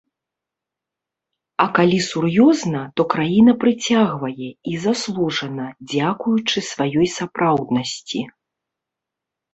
А калі сур'ёзна, то краіна прыцягвае, і заслужана, дзякуючы сваёй сапраўднасці.